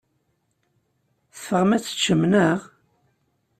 Teffɣem ad teččem, naɣ?